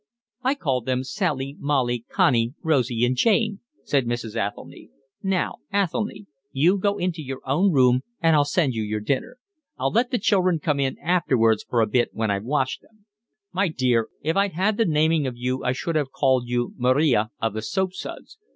"I call them Sally, Molly, Connie, Rosie, and Jane," said Mrs. Athelny. "Now, Athelny, you go into your own room and I'll send you your dinner. I'll let the children come in afterwards for a bit when I've washed them." "My dear, if I'd had the naming of you I should have called you Maria of the Soapsuds.